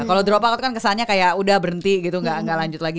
kalau drop aku kan kesannya kayak udah berhenti gitu nggak lanjut lagi